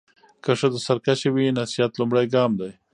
که ښځه سرکشه وي، نصيحت لومړی ګام دی.